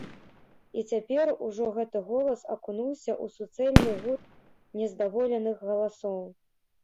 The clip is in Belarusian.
І цяпер ужо гэты голас акунуўся ў суцэльны гуд нездаволеных галасоў.